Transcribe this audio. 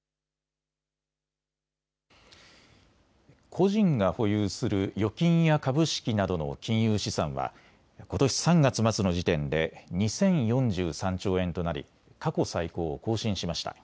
個人が保有する預金や株式などの金融資産はことし３月末の時点で２０４３兆円となり過去最高を更新しました。